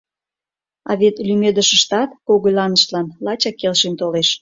А вет лӱмедышыштат когыляныштлан лачак келшен толеш.